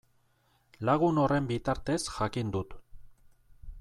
Lagun horren bitartez jakin dut.